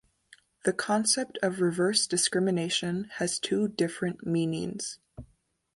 The concept of reverse discrimination has two different meanings.